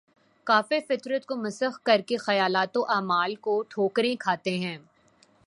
کافر فطرت کو مسخ کر کے خیالات و اعمال کی ٹھوکریں کھاتے ہیں